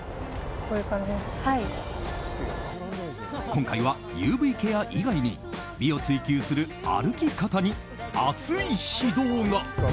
今回はＵＶケア以外に美を追求する歩き方に熱い指導が。